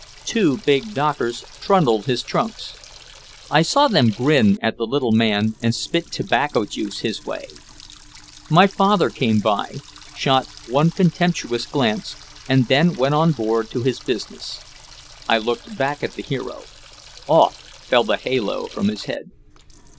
Two big dockers trundled his trunks. I saw them grin at the little man and spit tobacco juice his way. My father came by, shot one contemptuous glance, and then went on board to his business. I looked back at the hero. Off fell the halo from his head.